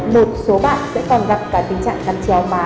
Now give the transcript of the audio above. một số bạn sẽ còn gặp cả tình trạng cắn chéo má